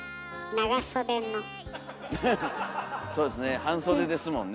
そうですね半袖ですもんね。